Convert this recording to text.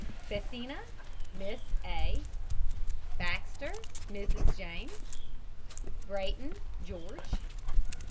BESSINA, MISS A. BAXTER, MRS. JAMES. BRAYTON, GEORGE.